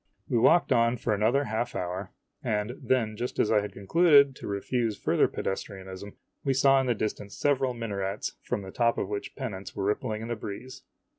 We walked on for another half hour, IMAGINOTIONS and then just as I had concluded to refuse further pedestrianism, we saw in the distance several minarets from the top of which pennants were rippling in the breeze.